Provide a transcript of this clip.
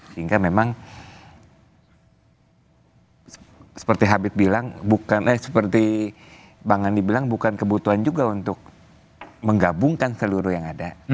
sehingga memang seperti habib bilang bukan eh seperti bang andi bilang bukan kebutuhan juga untuk menggabungkan seluruh yang ada